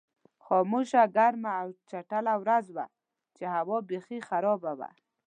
خاموشه، ګرمه او چټله ورځ وه چې هوا بېخي خرابه وه.